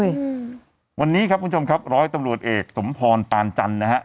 อืมวันนี้ครับคุณผู้ชมครับร้อยตำรวจเอกสมพรปานจันทร์นะฮะ